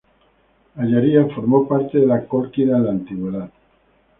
Ayaria formó parte de la Cólquida en la Antigüedad.